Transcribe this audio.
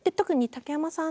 竹山さん。